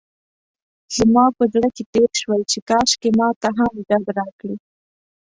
زما په زړه کې تېر شول چې کاشکې ماته هم ډب راکړي.